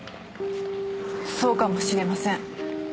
そうかもしれません。